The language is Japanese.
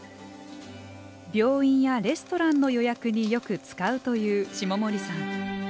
病院やレストランの予約によく使うという下森さん。